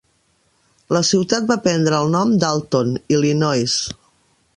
La ciutat va prendre el nom d"Alton, Illinois.